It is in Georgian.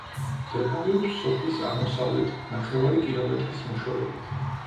მდებარეობს სოფლის აღმოსავლეთით ნახევარი კილომეტრის მოშორებით.